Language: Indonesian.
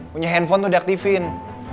punya handphone tuh diaktifin